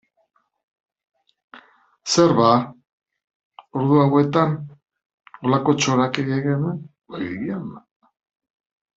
Urpekaria marmokak begira geratu zen hamar minutu luzez.